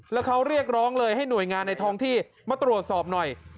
แล้วเขาเรียกร้องเลยให้หน่วยงานในท้องที่มาตรวจสอบหน่อย